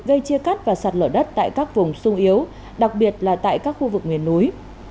gây chia cắt và sạt lở đất tại các vùng sung yếu đặc biệt là tại các khu vực miền núi